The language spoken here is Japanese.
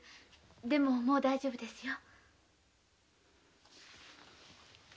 もう大丈夫ですよ。